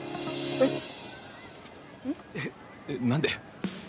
えっ何で？